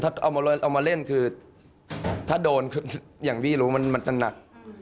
ถ้าเอามาเล่นคือถ้าโดนอย่างที่รู้มันจะหนัก